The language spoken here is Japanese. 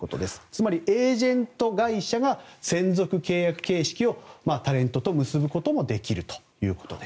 つまり、エージェント会社が専属契約形式をタレントと結ぶこともできるということです。